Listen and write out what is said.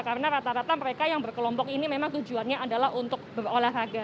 karena rata rata mereka yang berkelompok ini memang tujuannya adalah untuk berolahraga